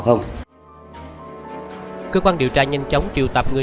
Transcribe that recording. chùm chìa khóa được mang đi thử